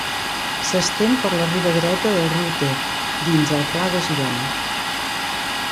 S'estén per la riba dreta del riu Ter, dins el pla de Girona.